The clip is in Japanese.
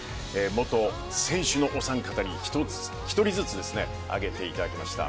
元選手のお三方に１人ずつですね挙げていただきました。